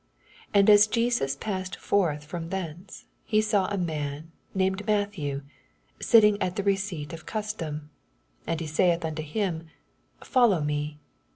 9 And as Jesns passed forth fh>m thence, he saw a man, named Matthew, sitting at the receipt of custom : ana he saith unto him. Follow me.